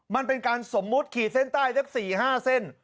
มันเป็นการสมมุติขีดเส้นใต้สัก๔๕เส้น